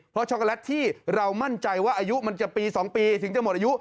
เพราะช็อกโกแลตที่เรามั่นใจว่าอายุมันจะปี๒ปีถึงจะหมดอายุ